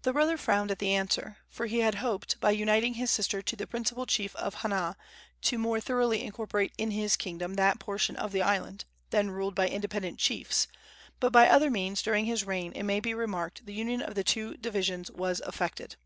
The brother frowned at the answer, for he had hoped, by uniting his sister to the principal chief of Hana, to more thoroughly incorporate in his kingdom that portion of the island, then ruled by independent chiefs; but by other means during his reign, it may be remarked, the union of the two divisions was effected.